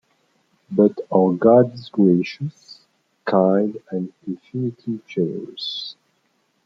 But our God is gracious, kind and infinitely generous.